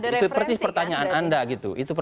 itu pertanyaan anda gitu